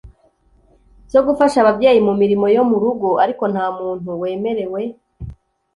zo gufasha ababyeyi mu mirimo yo mu rugo, ariko nta muntu wemerewe